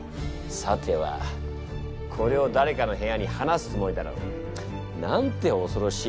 さてはこれを誰かの部屋に放すつもりだろう。なんて恐ろしい計画だ。